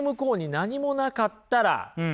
何もなかったら。